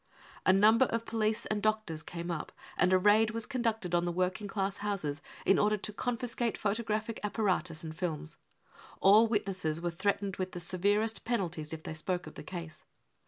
A number of police and doctors came up, and a raid was conducted on the working class houses in order to confiscate photographic apparatus and films. All witnesses were threatened with the severest penalties if they spoke of the case.